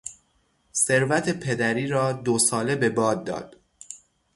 ثروت پدری را دو ساله به باد داد.